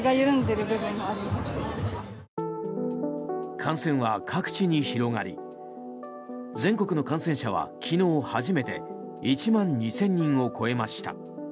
感染は各地に広がり全国の感染者は昨日初めて１万２０００人を超えました。